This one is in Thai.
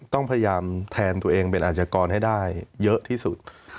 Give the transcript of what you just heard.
ต้องพยายามแทนตัวเองเป็นอาชกรให้ได้เยอะที่สุด